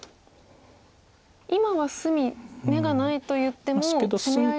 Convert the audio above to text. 今は隅眼がないといっても攻め合いは。